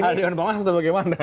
dewan pengawas atau bagaimana